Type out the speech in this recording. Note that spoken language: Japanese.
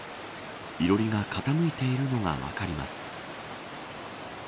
いろりが傾いているのが分かります。